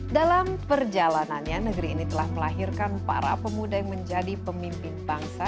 dalam perjalanannya negeri ini telah melahirkan para pemuda yang menjadi pemimpin bangsa